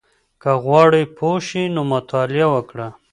که غواړې پوه شې نو مطالعه وکړه.